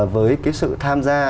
với cái sự tham gia